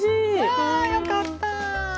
わよかった。